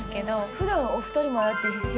ふだんお二人もああやって部屋で突然？